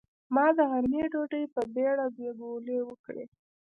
ما د غرمۍ ډوډۍ په بېړه دوې ګولې وکړې.